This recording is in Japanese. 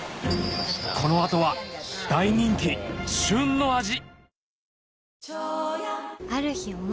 このあとは大人気旬の味